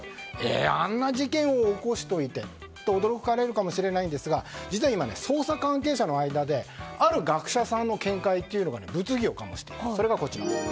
あんな事件を起こしておいてと驚かれるかもしれませんが実は今、捜査関係者の間である学者さんの見解が物議を醸しているんです。